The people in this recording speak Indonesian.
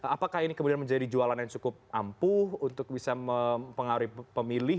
apakah ini kemudian menjadi jualan yang cukup ampuh untuk bisa mempengaruhi pemilih